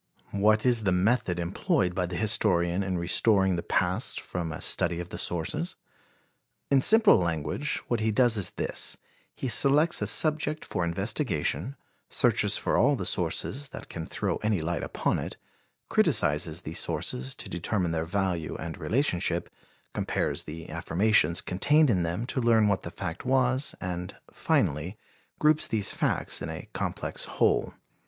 What is the method employed by the historian in restoring the past from a study of the sources? In simple language what he does is this: he selects a subject for investigation, searches for all the sources that can throw any light upon it, criticises these sources to determine their value and relationship, compares the affirmations contained in them to learn what the fact was, and, finally, groups these facts in a complex whole.